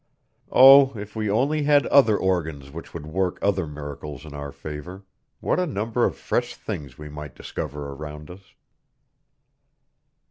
Oh! If we only had other organs which would work other miracles in our favor, what a number of fresh things we might discover around us!